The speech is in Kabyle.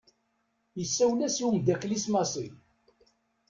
Isawel-as i umddakel-is Massi.